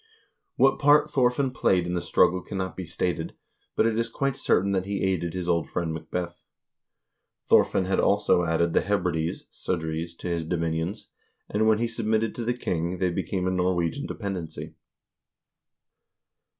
What part Thorfinn played in the struggle cannot be stated, but it is quite certain that he aided his old friend Macbeth. Thorfinn had also added the Hebrides (Sudreys) to his dominions, and when he submitted to the king, they became a Norwegian dependency.